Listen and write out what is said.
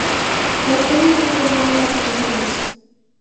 La especie es muy común en las Filipinas.